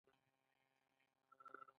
دا خدمات د دولت له خوا وړاندې کیږي.